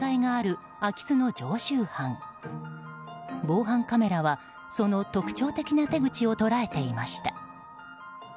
防犯カメラはその特徴的な手口を捉えていました。